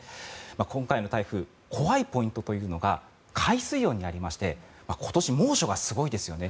今回の台風怖いポイントというのが海水温にありまして今年、猛暑がすごいですよね。